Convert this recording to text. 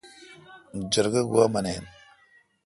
جرگہ گوا منین۔